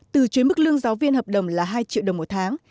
từ chuyến bức lương giáo viên hợp đồng là hai triệu đồng một tháng